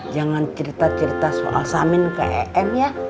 jangan cerita cerita soal samin ke em ya